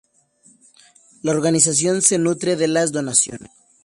La organización se nutre de las donaciones.